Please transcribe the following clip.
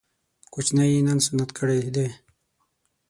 کوچنی يې نن سنت کړی دی